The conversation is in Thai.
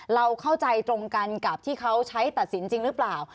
เราเข้าใจตรงกันกับที่เขาใช้ตัดสินจริงหรือเปล่า